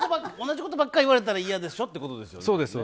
同じことばっか言われたら嫌でしょってことですよね。